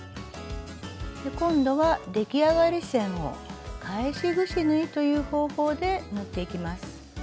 今度は出来上がり線を「返しぐし縫い」という方法で縫っていきます。